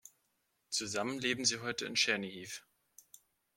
Zusammen leben sie heute in Tschernihiw.